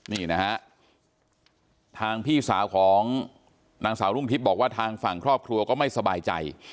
นี่นะฮะทางพี่สาวของนางสาวรุ่งทิพย์บอกว่าทางฝั่งครอบครัวก็ไม่สบายใจ